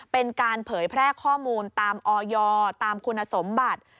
เป็นการเผยแพร่ข้อมูลตามออยตามคุณสมบัติ